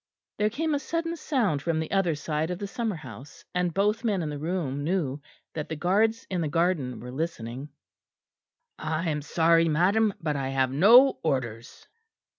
There came a sudden sound from the other side of the summer house, and both men in the room knew that the guards in the garden were listening. "I am sorry, madam, but I have no orders."